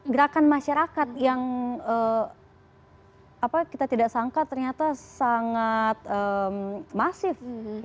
gerakan masyarakat yang kita tidak sangka ternyata sangat masif